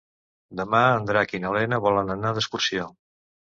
Demà en Drac i na Lena volen anar d'excursió.